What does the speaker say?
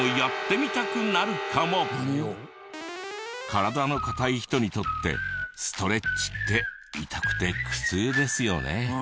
体の硬い人にとってストレッチって痛くて苦痛ですよね。